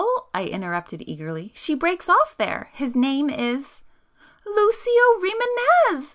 I interrupted eagerly——"She breaks off there; his name is——" "Lucio Rimânez!"